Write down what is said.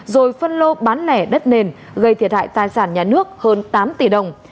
rồi phân lô bán lẻ đất nền gây thiệt hại tài sản nhà nước hơn tám tỷ đồng